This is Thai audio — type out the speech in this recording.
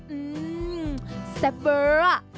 อืมมมซับเบอร์